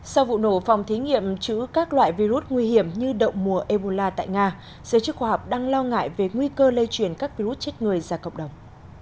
sau vụ nổ phòng thí nghiệm chữ các loại virus nguy hiểm như động mùa ebola tại nga giới chức khoa học đang lo ngại về nguy cơ lây truyền các virus chết người ra cộng đồng